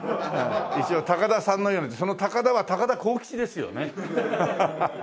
一応「高田さんのように」ってその「高田」は高田浩吉ですよね？